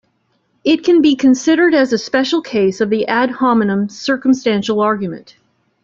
It can be considered as a special case of the ad hominem circumstantial argument.